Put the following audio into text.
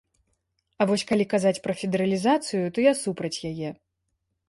А вось калі казаць пра федэралізацыю, то я супраць яе.